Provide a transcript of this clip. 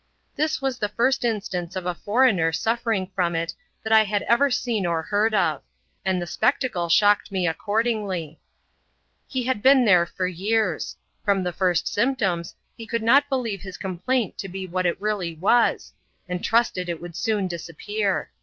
This was the first instance of a foreigner suffering, from it that I had ever seen or heard of; and the spectacle shocked me accordingly. He had been there for years. From the first symptoms, he could not believe his complaint to be what it really was, and trusted it would soon disappear.